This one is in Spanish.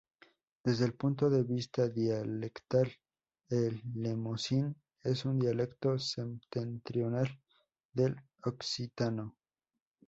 Desde el punto de vista dialectal el lemosín es un dialecto septentrional del occitano.